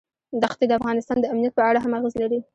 دښتې د افغانستان د امنیت په اړه هم اغېز لري.